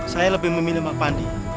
saya lebih memilih pak pandi